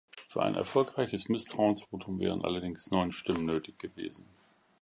Für ein erfolgreiches Misstrauensvotum wären allerdings neun Stimmen nötig gewesen.